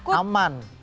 takut dia ini